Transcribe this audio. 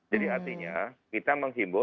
jadi artinya kita menghimbau